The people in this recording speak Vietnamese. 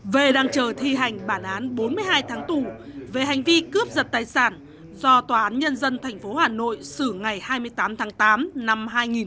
v đang chờ thi hành bản án bốn mươi hai tháng tù về hành vi cướp giật tài sản do tòa án nhân dân tp hà nội xử ngày hai mươi tám tháng tám năm hai nghìn một mươi bảy